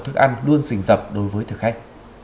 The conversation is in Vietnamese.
thức ăn luôn xình dập đối với thực khách